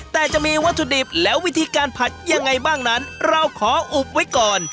แต่จะมีวัตถุดิบและวิธีการผัดยังไงบ้างนั้นเราขออุบไว้ก่อน